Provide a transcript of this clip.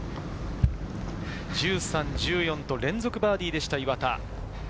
１３、１４と連続バーディーでした岩田。